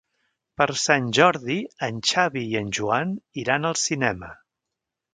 Per Sant Jordi en Xavi i en Joan iran al cinema.